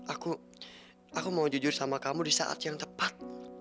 aku aku mau jujur sama kamu di saat yang tepat